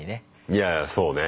いやそうね。